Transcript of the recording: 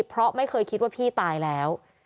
เพราะไม่เคยคิดว่าพี่ตายแล้ว